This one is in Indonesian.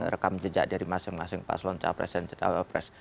rekam jejak dari masing masing pas loncat pres dan cetak awal pres